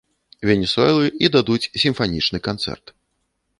Венесуэлы і дадуць сімфанічны канцэрт.